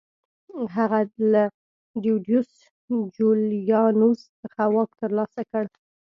هغه له ډیډیوس جولیانوس څخه واک ترلاسه کړ